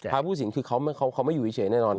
พลักษณ์ผู้เศรษฐ์คือเขาไม่อยู่เฉยแน่นอน